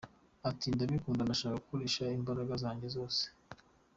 Ati “ Ndabikunda ndashaka gukoresha imbaraga zanjye zose.